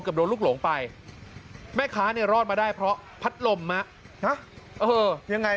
โดนลูกหลงไปแม่ค้าเนี่ยรอดมาได้เพราะพัดลมเออยังไง